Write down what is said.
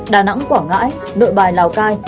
đà nẵng quảng ngãi nội bài lào cai